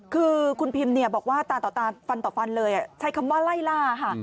คือคุณพิมบอกว่าตาต่อตาฟันต่อฟันเลยใช้คำว่าไล่ล่าค่ะ